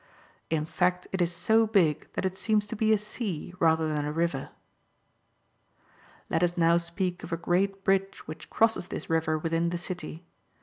In fact, it is so big, that it seems to be a Sea rather than a River !^ Let us now speak of a great Bridge which crosses this River within the city.